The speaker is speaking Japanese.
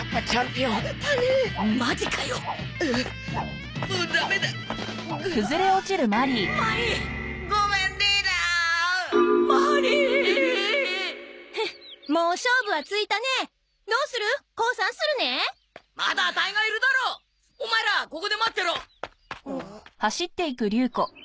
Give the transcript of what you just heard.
オマエらここで待ってろ！